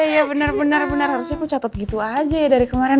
iya bener bener harusnya aku catet gitu aja ya dari kemaren